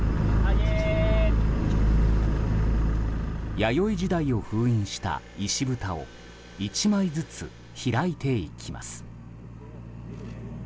弥生時代を封印した石ぶたを１枚ずつ開いていきます。